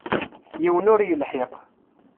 Yiwen ur yelḥiq.